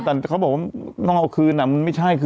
แต่เขาบอกว่าต้องเอาคืนมันไม่ใช่คือ